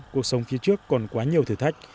cuộc sống phía trước còn quá nhiều thử thách